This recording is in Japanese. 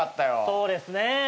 そうですね。